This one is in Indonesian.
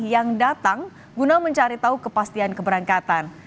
yang datang guna mencari tahu kepastian keberangkatan